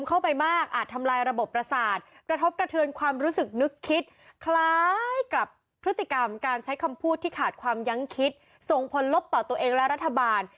คำพูดที่ขาดความยังคิดส่งผลลบต่อตัวเองและรัฐบาล